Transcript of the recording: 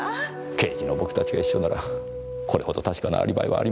刑事の僕たちが一緒ならこれほど確かなアリバイはありませんからね。